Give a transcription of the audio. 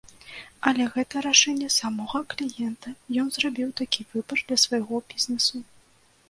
Але гэта рашэнне самога кліента, ён зрабіў такі выбар для свайго бізнэсу.